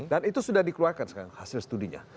itu sudah dikeluarkan sekarang hasil studinya